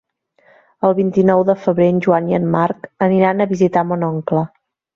El vint-i-nou de febrer en Joan i en Marc aniran a visitar mon oncle.